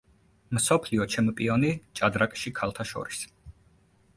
მსოფლიო ჩემპიონი ჭადრაკში ქალთა შორის.